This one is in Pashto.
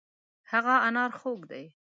هغه انار خوږ دی.